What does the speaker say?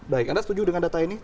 baik anda setuju dengan data ini